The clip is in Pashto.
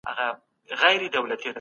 د احتکار تصور خلک ډېر ناهیلي کړل.